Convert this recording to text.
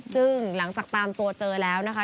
ซึ่งหลังจากตามตัวเจอแล้วนะคะ